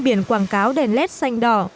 biển quảng cáo đèn led xanh đỏ